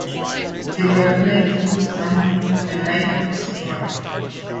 They were playing through a small drizzle when lightning struck.